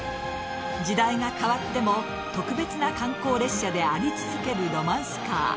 時代が変わっても特別な観光列車であり続けるロマンスカー。